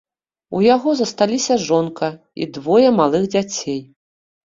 У яго засталіся жонка і двое малых дзяцей.